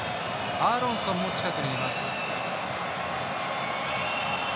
アーロンソンも近くにいます。